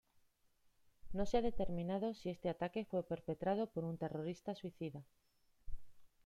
No se ha determinado si este ataque fue perpetrado por un terrorista suicida.